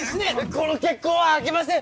この結婚はあきません